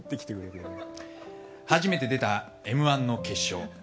初めて出た「Ｍ‐１」の決勝。